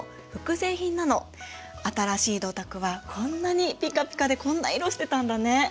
新しい銅鐸はこんなにピカピカでこんな色してたんだね。